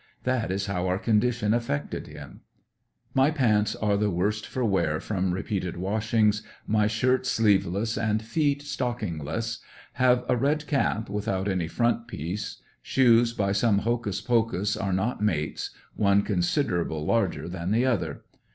That is how our condition affected him My pants are the worse for wear from repeated washings, my shirt sleeveless and feet stocking less; have a red cap without any front piece; shoes by some hocus pocus are not mates, one considerable larger than the other.